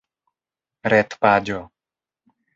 retpaĝo